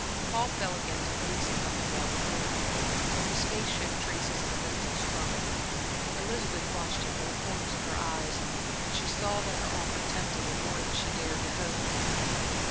Paul fell again to pacing up and down the room. His face showed traces of a mental struggle. Elizabeth watched him from the corners of her eyes; she saw that her offer tempted him more than she had dared to hope.